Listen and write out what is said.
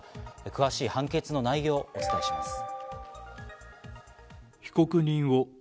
詳しい判決の内容をお伝えします。